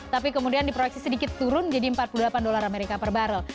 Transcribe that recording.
tapi kemudian di proyeksi sedikit turun jadi rp empat puluh delapan delapan per barrel